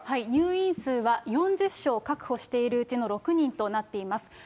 入院数は４０床確保しているうちの６人となっています。